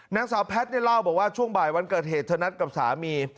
นางสาวแพทย์เนี่ยเล่าบอกว่าช่วงบ่ายวันเกิดเหตุเธอนัดกับสามี